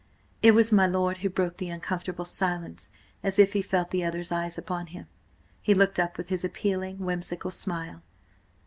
It was my lord who broke the uncomfortable silence As if he felt the other's eyes upon him, he looked up with his appealing, whimsical smile.